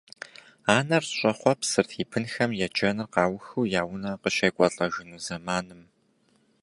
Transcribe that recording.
Анэр щӏэхъуэпсырт и бынхэм еджэныр къаухыу я унэ къыщекӏуэлӏэжыну зэманым.